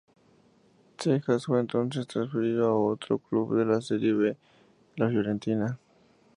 Cejas fue entonces transferido a otro club de la Serie B, la Fiorentina.